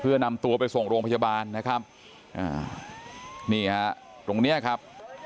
เพื่อนำตัวไปส่งโรงพยาบาลนะครับอ่านี่ฮะตรงเนี้ยครับ